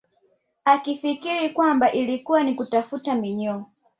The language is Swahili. Akifikiri kwamba ilikuwa ni kutafuta minyoo